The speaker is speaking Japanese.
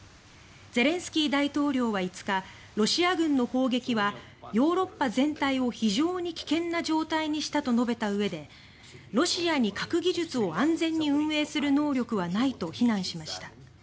ゼレンスキー大統領は５日ロシア軍の砲撃はヨーロッパ全体を非常に危険な状態にしたと述べたうえでロシアに核技術を安全に運営する能力はないと非難しました。